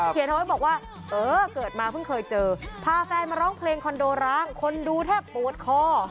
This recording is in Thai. เอาไว้บอกว่าเออเกิดมาเพิ่งเคยเจอพาแฟนมาร้องเพลงคอนโดร้างคนดูแทบปวดคอ